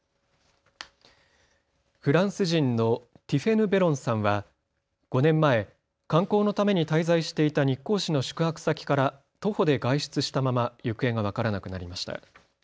フランス人のティフェヌ・ベロンさんは５年前、観光のために滞在していた日光市の宿泊先から徒歩で外出したまま行方が分からなくなりました。